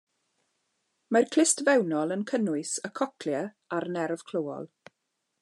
Mae'r clust fewnol yn cynnwys y cochlea a'r nerf clywol.